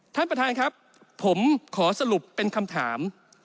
ท่านประธานครับผมขอสรุปเป็นคำถาม